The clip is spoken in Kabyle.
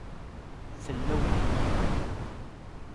Fell-awen ay giɣ aya.